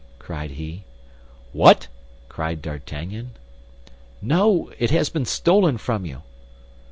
cried he. "What!" cried D'Artagnan. "No, it has been stolen from you."